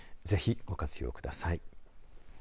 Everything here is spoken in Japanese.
ぜひ、ご活用ください。